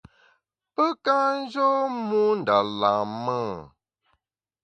Pe ka njô mû nda lam-e ?